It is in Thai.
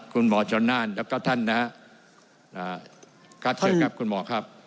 กัดเถิดกับคุณหมอครับ